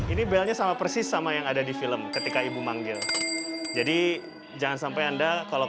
ini belnya sama persis sama yang ada di film ketika ibu manggil jadi jangan sampai anda kalau